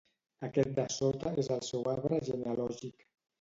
Aquest de sota és el seu arbre genealògic.